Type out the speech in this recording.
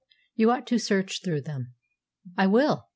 You ought to search through them." "I will.